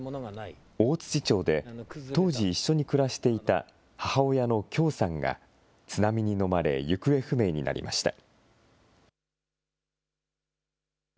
大槌町で当時一緒に暮らしていた母親のキョウさんが津波にのまれ、行方不明になりました。